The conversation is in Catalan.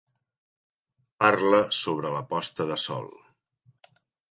Parla sobre la posta de sol.